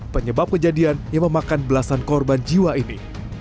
penyebab kejadian yang memakan belasan korban jiwa ini